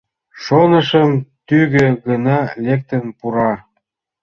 Шонышым, тӱгӧ гына лектын пура.